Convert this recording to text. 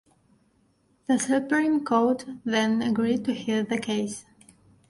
The Supreme Court then agreed to hear the case.